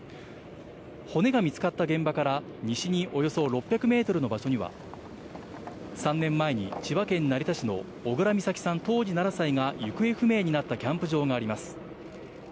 骨が見つかった現場から西におよそ６００メートルの場所には３年前に千葉県成田市の小倉美咲さん、当時７歳が行方不明になったキャンプ場があります。